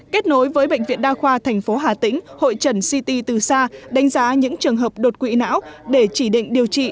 kết nối với bệnh viện đa khoa thành phố hà tĩnh hội trần ct từ xa đánh giá những trường hợp đột quỵ não để chỉ định điều trị